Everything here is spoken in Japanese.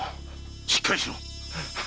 しっかりしろ！